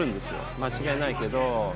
間違いないけど。